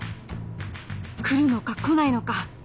くるのかこないのか？